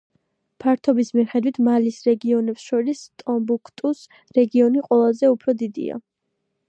ფართობის მიხედვით მალის რეგიონებს შორის ტომბუქტუს რეგიონი ყველაზე უფრო დიდია.